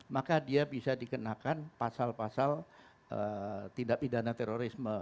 maka dia bisa dikenakan pasal pasal tindak pidana terorisme